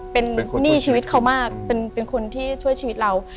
เป็นหนี้ชีวิตเขามากเป็นคนที่ช่วยชีวิตเรา